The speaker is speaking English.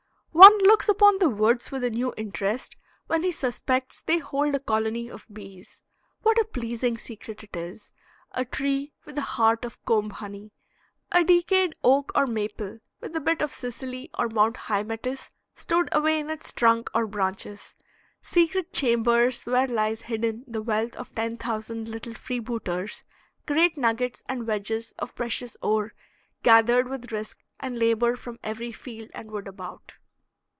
One looks upon the woods with a new interest when he suspects they hold a colony of bees. What a pleasing secret it is; a tree with a heart of comb honey, a decayed oak or maple with a bit of Sicily or Mount Hymettus stowed away in its trunk or branches; secret chambers where lies hidden the wealth of ten thousand little freebooters, great nuggets and wedges of precious ore gathered with risk and labor from every field and wood about.